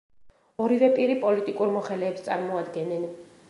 ორივე პირი პოლიტიკურ მოხელეებს წარმოადგენენ.